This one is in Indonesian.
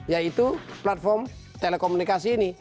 yaitu platform telekomunikasi ini